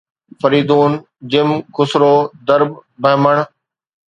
Faridoon, Jam, Khosrow, Darab, بهمن